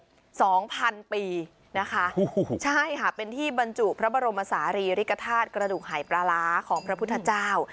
สองพันปีนะคะโอ้โหใช่ค่ะเป็นที่บรรจุพระบรมศาลีริกฐาตุกระดูกหายปลาร้าของพระพุทธเจ้า